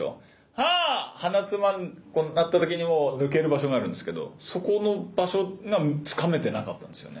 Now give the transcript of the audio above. ハ鼻つまんで鳴った時に抜ける場所があるんですけどそこの場所がつかめてなかったんですよね。